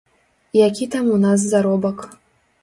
Які там у нас заробак.